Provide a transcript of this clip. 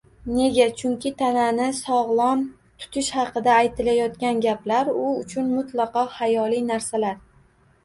Nega? Chunki tanani sog‘lom tutish haqida aytilayotgan gaplar u uchun mutlaqo xayoliy narsalar